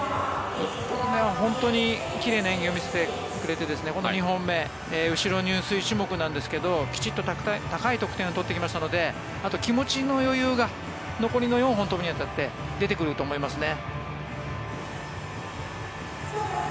１本目は本当に奇麗な演技を見せてくれて２本目後ろ入水種目なんですけどきちんと高い得点を取ってきましたのであと、気持ちの余裕が残りの４本を飛ぶに当たって出てくると思いますね。